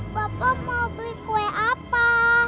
bapak mau beli kue apa